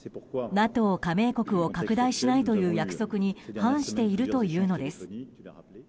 ＮＡＴＯ加盟国を拡大しないという約束に反しているというのです。